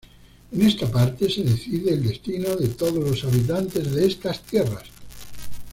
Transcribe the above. En esta parte se decide el destino de todos los habitantes de estas tierras.